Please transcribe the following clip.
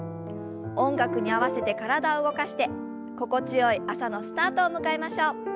音楽に合わせて体を動かして心地よい朝のスタートを迎えましょう。